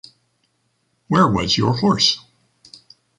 Where was your horse?